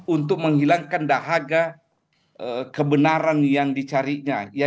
untuk menghilangkan dahaga kebenaran yang dicarinya